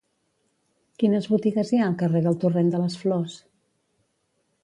Quines botigues hi ha al carrer del Torrent de les Flors?